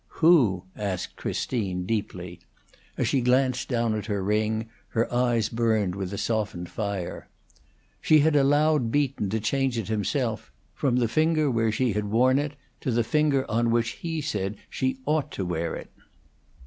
"Who?" asked Christine, deeply. As she glanced down at her ring, her eyes burned with a softened fire. She had allowed Beaton to change it himself from the finger where she had worn it to the finger on which he said she ought to wear it.